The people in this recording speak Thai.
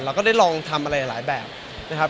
เราก็ได้ลองทำอะไรหลายแบบนะครับ